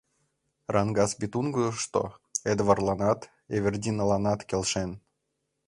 Рангкас-Бетунгышто Эдвардланат, Эвердиналанат келшен.